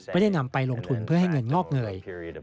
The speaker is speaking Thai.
ไม่ได้นำไปลงทุนเพื่อให้เงินงอกเงย